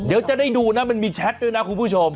เดี๋ยวจะได้ดูนะมันมีแชทด้วยนะคุณผู้ชม